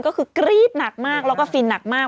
ก็คือกรี๊ดหนักมากแล้วก็ฟินหนักมาก